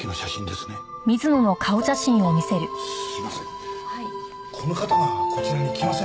すみません